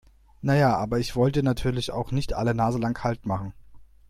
Na ja, aber ich wollte natürlich auch nicht alle naselang Halt machen.